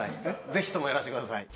ぜひともやらせてください。